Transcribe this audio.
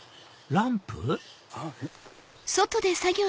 ランプ？